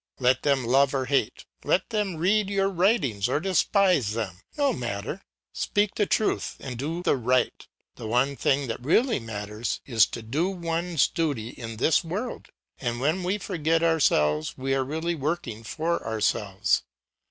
Let them love or hate, let them read your writings or despise them; no matter. Speak the truth and do the right; the one thing that really matters is to do one's duty in this world; and when we forget ourselves we are really working for ourselves.